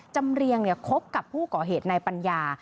จำเรียงเนี่ยคบกับผู้ก่อเหตุนายปัญญา